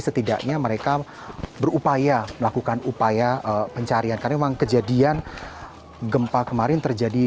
setidaknya mereka berupaya melakukan upaya pencarian karena memang kejadian gempa kemarin terjadi